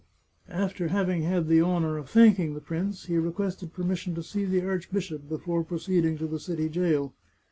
After having had the honour of thanking the prince, he requested permission to see the archbishop, before proceed ing to the city jail.